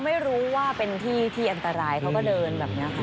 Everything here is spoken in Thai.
ไม่รู้ว่าเป็นที่ที่อันตรายเขาก็เดินแบบนี้ค่ะ